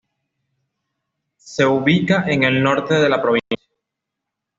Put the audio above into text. Se ubica en el norte de la provincia.